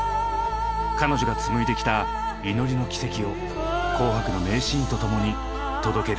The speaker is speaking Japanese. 彼女がつむいできた祈りの軌跡を「紅白」の名シーンとともに届ける。